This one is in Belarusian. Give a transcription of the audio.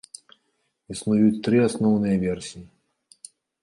Існуюць тры асноўныя версіі.